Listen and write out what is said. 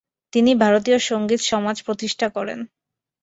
তিনি ভারতীয় সঙ্গীত সমাজ প্রতিষ্ঠা করেন।